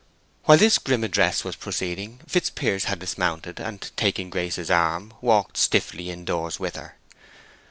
While this grim address was proceeding, Fitzpiers had dismounted, and taking Grace's arm walked stiffly in doors with her.